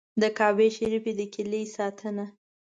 د کعبې شریفې د کیلي ساتنه.